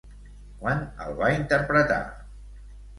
Quan el va interpretar?